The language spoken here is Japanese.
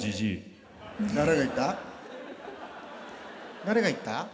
誰が言った。